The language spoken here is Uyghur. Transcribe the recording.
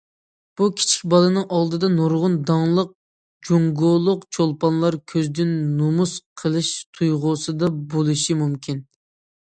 بۇ كىچىك بالىنىڭ ئالدىدا نۇرغۇن داڭلىق جۇڭگولۇق چولپانلار كۆزىدىن نومۇس قىلىش تۇيغۇسىدا بولۇشى مۇمكىن.